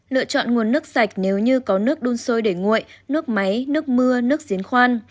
lựa chọn nguồn nước sạch nếu như có nước đun sôi để nguội nước máy nước mưa nước diễn khoan